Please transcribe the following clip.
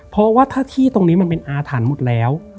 เพราะว่าถ้าที่ตรงนี้มันเป็นอาถรรพ์หมดแล้ว